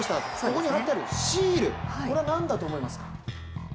ここに貼ってあるシール、これは何だと思いますか？